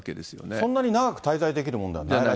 そんなに長く滞在できるものではない？